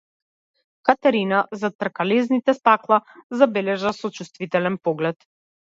Катерина зад тркалезните стакла забележа сочувствителен поглед.